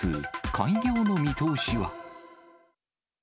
開業の見通しは？